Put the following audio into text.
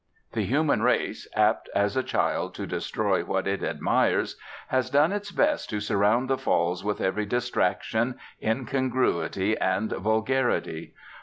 The human race, apt as a child to destroy what it admires, has done its best to surround the Falls with every distraction, incongruity, and vulgarity.